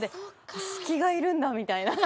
隙がいるんだみたいな。